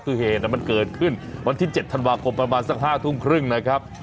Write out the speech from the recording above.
คือเหตุมันเกิดขึ้นวันที่๗ธันวาคมประมาณสัก๕ทุ่มครึ่งนะครับ